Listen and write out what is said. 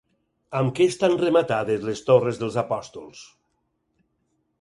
Amb què estan rematades les torres dels apòstols?